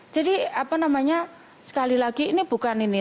jadi apa namanya sekali lagi ini bukan ini